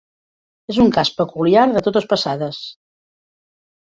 És un cas peculiar de totes passades.